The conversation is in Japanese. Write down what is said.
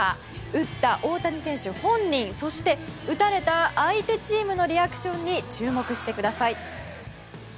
打った大谷選手、本人そして、打たれた相手チームのリアクションに注目してください。